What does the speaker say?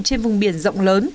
trên vùng biển rộng lớn